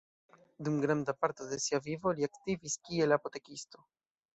Dum granda parto de sia vivo, li aktivis kiel apotekisto.